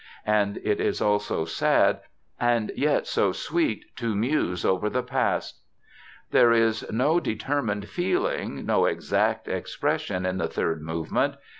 And it is also sad and yet so sweet to muse over the past. "There is no determined feeling, no exact expression in the third movement.